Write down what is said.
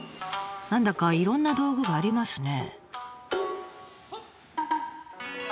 何だかいろんな道具がありますね。